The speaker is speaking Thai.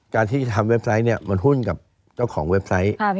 การที่ทำเว็บไซต์มันหุ้นกับเจ้าของเว็บไซต์